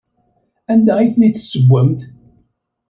Anda ay ten-id-tessewwemt?